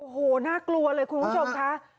โหน่ากลัวเลยคุณผู้ชมค่ะอะครับ